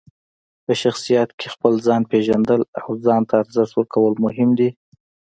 په شخصیت کې خپل ځان پېژندل او ځان ته ارزښت ورکول مهم دي.